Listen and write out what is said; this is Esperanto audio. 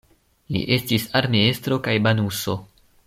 Li estis armeestro kaj banuso.